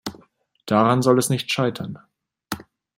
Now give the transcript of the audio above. Daran soll es nicht scheitern.